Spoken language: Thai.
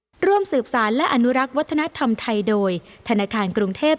ร่วมสืบสารและอนุรักษ์วัฒนธรรมไทยโดยธนาคารกรุงเทพ